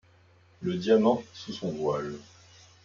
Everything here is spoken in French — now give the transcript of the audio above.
Le diamant sous son voile